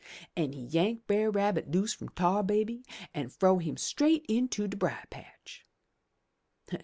"An' he yank Brer Rabbit loose from Tar Baby an' frow him straight into de brier patch.